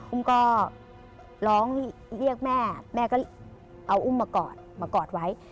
อุ้มก็ร้องเรียกแม่แม่ก็เอาอุ้มมากอดมากอดไว้